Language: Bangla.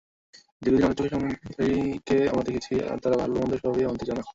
দীর্ঘদিন আমাদের চোখের সামনে হিলারিকে আমরা দেখেছি, তাঁর ভালো-মন্দ সবই আমাদের জানা।